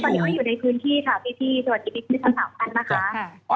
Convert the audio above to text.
สวัสดีพี่สำหรับคุณนะคะ